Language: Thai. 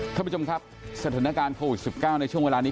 ทุกคนครับสถานการณ์โครวิด๑๙ในช่วงเวลานี้